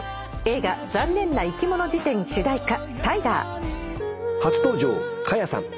『映画ざんねんないきもの事典』主題歌『サイダー』初登場花耶さん。